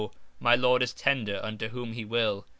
my Lord is tender unto whom He will.